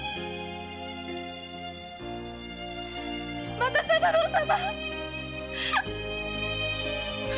又三郎様‼